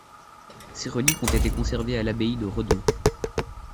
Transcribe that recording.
Ses reliques ont été conservées à l'Abbaye de Redon.